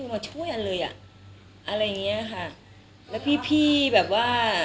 มาช่วยอันเลยอ่ะอะไรอย่างเงี้ยค่ะแล้วพี่พี่แบบว่า